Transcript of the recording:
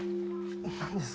何です？